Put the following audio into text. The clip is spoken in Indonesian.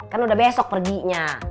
kan udah besok perginya